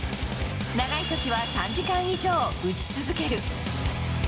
長いときは３時間以上、打ち続ける。